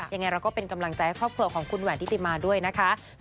ยังไงเราก็เป็นกำลังใจข้อเพลิงของคุณหวันที่ติมมาด้วยนะคะ